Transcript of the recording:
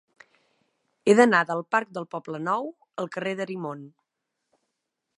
He d'anar del parc del Poblenou al carrer d'Arimon.